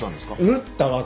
縫ったわけでは。